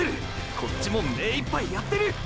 こっちもめいっぱいやってる！！